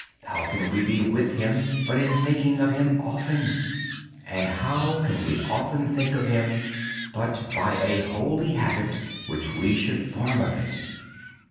How can we be with Him but in thinking of Him often? And how can we often think of Him, but by a holy habit which we should form of it?